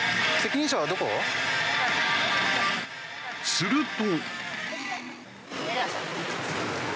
すると。